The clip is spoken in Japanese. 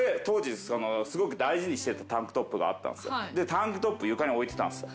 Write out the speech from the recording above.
タンクトップ床に置いてたんす。